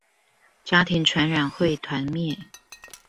家庭傳染會團滅